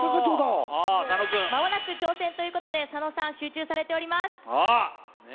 間もなく挑戦ということで佐野さん、集中しております。